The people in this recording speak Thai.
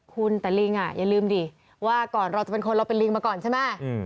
คุณแต่ลิงอย่าลืมดิว่าก่อนเราจะเป็นคนเราเป็นลิงมาก่อนใช่ไหม